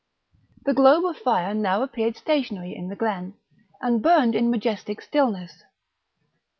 The globe of fire now appeared stationary in the glen, and burned in majestic stillness.